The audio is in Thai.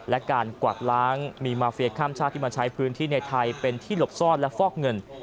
และการกวาดล้างมีมาเฟียข้ามชาติที่มาใช้พื้นที่ในไทยเป็นที่หลบซ่อนและฟอกเงิน